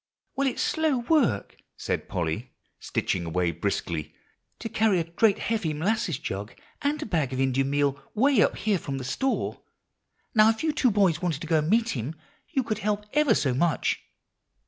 "Well, it's slow work," said Polly, stitching away briskly, "to carry a great heavy molasses jug and a bag of Indian meal way up here from the store. Now, if you two boys wanted to go and meet him, you could help ever so much."